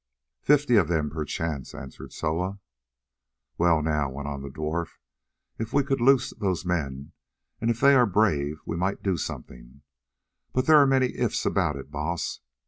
"Fifty of them perchance," answered Soa. "Well now," went on the dwarf, "if we could loose those men and if they are brave we might do something, but there are many if's about it, Baas.